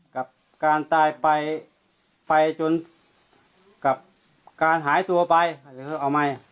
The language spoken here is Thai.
กับการตายไปไปจนกับการหายตัวไปอาจจะเอาใหม่